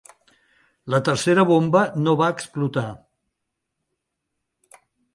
La tercera bomba no va explotar.